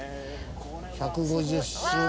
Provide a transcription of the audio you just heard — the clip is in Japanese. １５０周年。